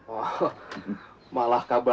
oh malah kabarnya